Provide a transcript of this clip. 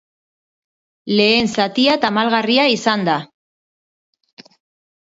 Lehen zatia tamalgarria izan da.